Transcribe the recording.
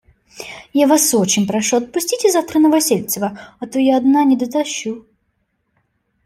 Я Вас очень прошу, отпустите завтра Новосельцева, а то я одна не дотащу.